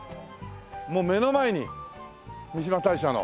もう目の前に三嶋大社の。